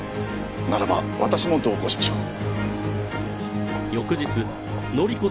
ならば私も同行しましょう。